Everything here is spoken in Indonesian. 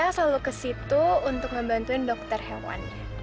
tasha selalu ke situ untuk membantu dokter hewan